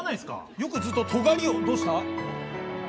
よくずっとトガりをどうした？